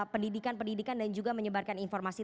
pendidikan pendidikan dan juga menyebarkan informasi